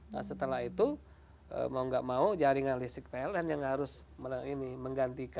nah setelah itu mau nggak mau jaringan listrik pln yang harus menggantikan